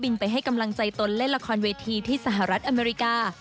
ไปให้กำลังใจตนเล่นละครเวทีที่สหรัฐอเมริกา